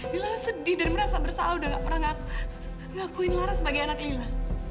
nila sedih dan merasa bersalah udah gak pernah ngakuin lara sebagai anak nila